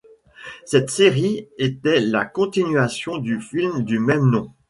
Cette série était la continuation du film du même nom.